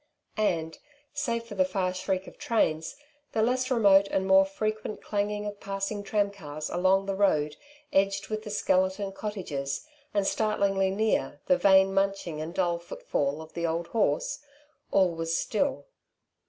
And, save for the far shriek of trains, the less remote and more frequent clanging of passing tramcars along the road edged with the skeleton cottages, and, startlingly near, the vain munching and dull footfall of the old horse, all was still.